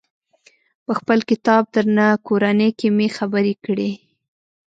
په خپل کتاب درنه کورنۍ کې مې خبرې کړي.